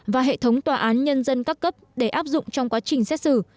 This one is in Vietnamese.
và hệ thống tòa án nhân dân các cấp để áp dụng trong quá trình xét xử